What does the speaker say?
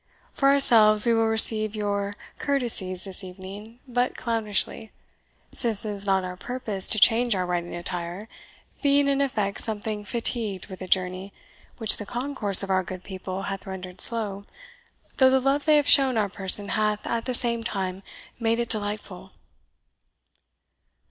For ourselves, we will receive your courtesies this evening but clownishly, since it is not our purpose to change our riding attire, being in effect something fatigued with a journey which the concourse of our good people hath rendered slow, though the love they have shown our person hath, at the same time, made it delightful."